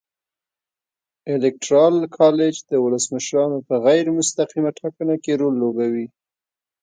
الېکترال کالج د ولسمشرانو په غیر مستقیمه ټاکنه کې رول لوبوي.